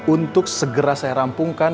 untuk segera saya rampungkan